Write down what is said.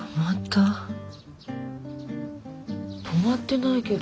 泊まってないけど。